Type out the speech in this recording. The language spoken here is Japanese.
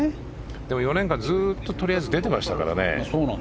でも、４年間ずっと出てましたからね。